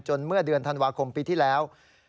เมื่อเดือนธันวาคมปีที่แล้ว